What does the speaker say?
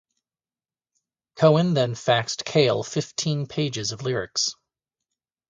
Cohen then faxed Cale fifteen pages of lyrics.